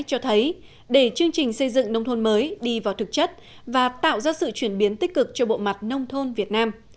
cho thấy để chương trình xây dựng nông thôn mới đi vào thực chất và tạo ra sự chuyển biến tích cực cho bộ mặt nông thôn việt nam